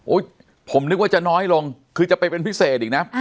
โอ้ยผมนึกว่าจะน้อยลงคือจะเป็นเป็นพิเศษอีกนะอ่าใช่ค่ะ